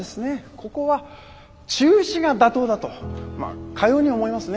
ここは中止が妥当だとまあかように思いますね。